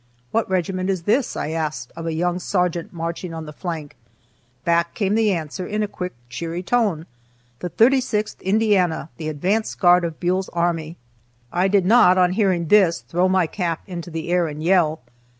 "What regiment is this?" I asked of a young sergeant marching on the flank. Back came the answer in a quick, cheery tone, "The 36th Indiana, the advance guard of Buell's army." I did not, on hearing this, throw my cap into the air and yell.